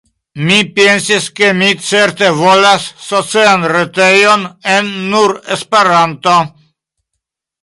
Mi pensis ke mi certe volas socian retejon en nur Esperanto.